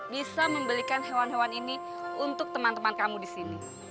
bisa membelikan hewan hewan ini untuk teman teman kamu di sini